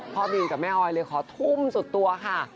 บีกับแม่ออยเลยขอทุ่มสุดตัวค่ะ